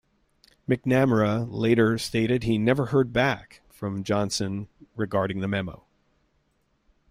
McNamara later stated he "never heard back" from Johnson regarding the memo.